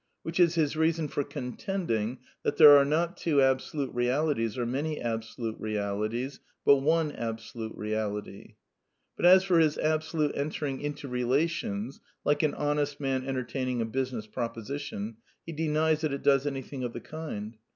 Which is his reason for contending that there are not two absolute Realities or many absolute Realities, but one Absolute Reality. But as for his Absolute " entering into relations," like an Honest Man entertaining a business proposition, he denies that it does anything of the kind.